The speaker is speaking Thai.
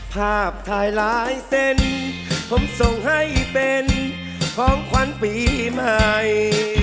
ภาพถ่ายหลายเส้นผมส่งให้เป็นของขวัญปีใหม่